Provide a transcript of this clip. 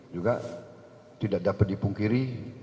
juga tidak dapat dipungkiri